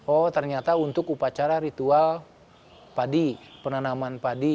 oh ternyata untuk upacara ritual padi penanaman padi